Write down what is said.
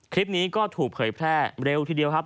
คลิปนี้ก็ถูกเผยแพร่เร็วทีเดียวครับ